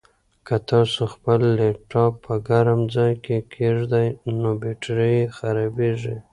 که تاسو خپل لپټاپ په ګرم ځای کې کېږدئ نو بېټرۍ یې خرابیږي.